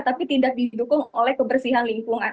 tapi tidak didukung oleh kebersihan lingkungan